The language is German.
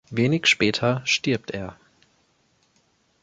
Wenig später stirbt er.